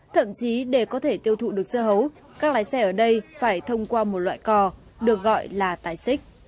thậm chí để có thể tiêu thụ được dưa hấu các lái xe ở đây phải thông qua một loại co được gọi là tài xích